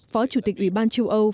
phó chủ tịch ủy ban châu âu